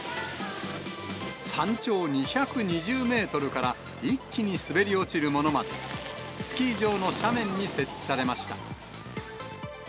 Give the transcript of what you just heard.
山頂２２０メートルから、一気に滑り落ちるものまで、スキー場の怖くない！